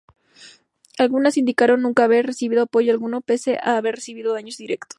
Algunas indicaron nunca haber recibido apoyo alguno pese a haber recibido daños directos.